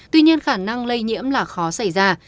tuy nhiên khả năng lây nhiễm là khó xảy ra